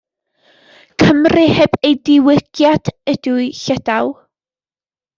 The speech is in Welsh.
Cymru heb ei Diwygiad ydyw Llydaw.